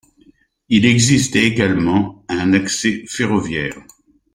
Il existe également un accès ferroviaire.